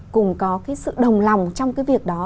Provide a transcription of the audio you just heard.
cùng có cái sự đồng lòng trong cái việc đó